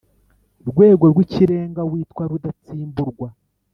Rwego rw’ikirenga witwa rudatsimburwa;